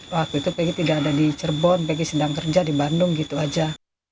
waktu itu pegg tidak ada di cirebon pg sedang kerja di bandung gitu aja